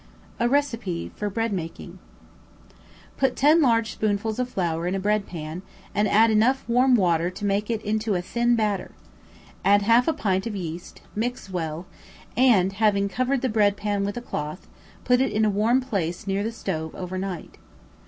A Receipt for Bread Making. Put ten large spoonfuls of flour in a breadpan, and add enough warm water to make it into a thin batter, add half a pint of yeast, mix well, and, having covered the bread pan with a cloth, put it in a warm place near the stove over night.